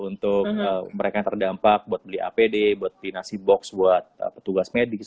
untuk mereka yang terdampak buat beli apd buat beli nasi box buat petugas medis